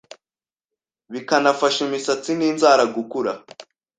bikanafasha imisatsi n’inzara gukura.